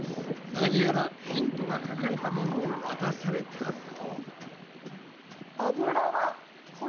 何やらヒントが書かれたものを渡されたぞ。